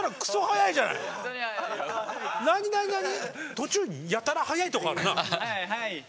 途中やたら速いとこあるな。